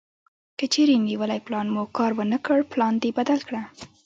کچېرې نیولی پلان مو کار ونه کړ پلان دې بدل کړه.